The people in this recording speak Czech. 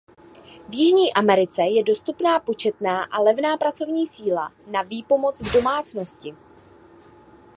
V Jižní Americe je dostupná početná a levná pracovní síla na výpomoc v domácnosti.